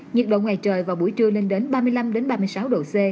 nhiệt độ ngoài trời vào buổi trưa lên đến ba mươi năm ba mươi sáu độ c